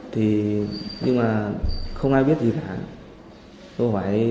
thì nhưng mà không ai biết gì cả